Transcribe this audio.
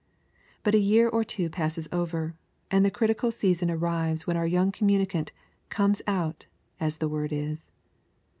But a year or two passes over, and the critical season arrives when our young communicant 'comes out,' as the word is.